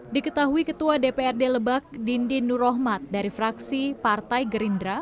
diketahui ketua dprd lebak dindi nurrohmat dari fraksi partai gerindra